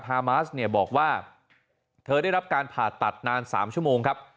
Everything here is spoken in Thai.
ฮามาสเนี่ยบอกว่าเธอได้รับการผ่าตัดนาน๓ชั่วโมงครับ